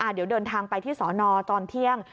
เดี๋ยวเดินทางไปที่สอนอตอนเที่ยง